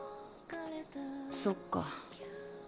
そっか。